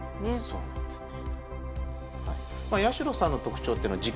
そうなんですね。